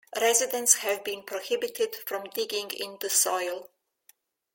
Residents have been prohibited from digging in the soil.